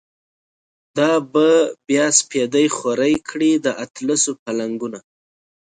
دا به بیا سپیدی خوری کړی، د اطلسو پا لنگونه